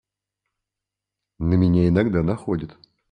На меня иногда находит.